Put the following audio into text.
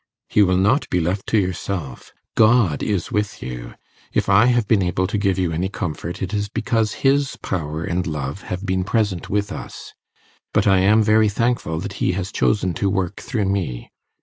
'You will not be left to yourself. God is with you. If I have been able to give you any comfort, it is because His power and love have been present with us. But I am very thankful that He has chosen to work through me.